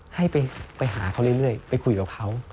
ให้ไปหาเขาเรื่อยไปคุยกับเขา